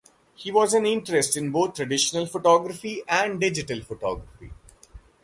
He has an interest in both traditional photography and digital photography.